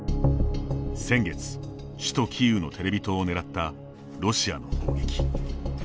先月、首都キーウのテレビ塔を狙ったロシアの砲撃。